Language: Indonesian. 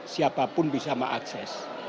siapapun bisa mengakses